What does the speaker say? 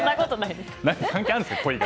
何か関係あるんですか？